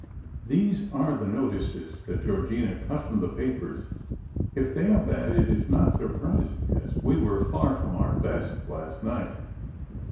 These are the notices that Georgina cut from the papers. If they are bad it is not surprising, as we were far from our best, last night.